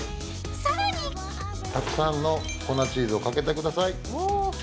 更にたくさんの粉チーズを掛けてください。